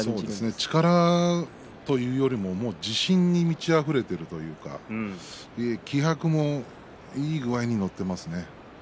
力というよりも自信に満ちあふれているというか気迫もいい具合に乗っていますね。